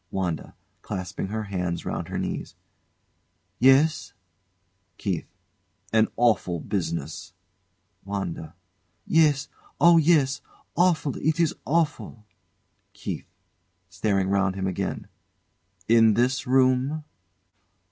WANDA. [Clasping her hands round her knees.] Yes? KEITH. An awful business! WANDA. Yes; oh, yes! Awful it is awful! KEITH. [Staring round him again.] In this room?